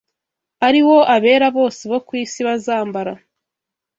ari wo abera bose bo ku isi bazambara